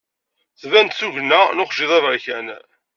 Tban-d tugna n uxjiḍ aberkan.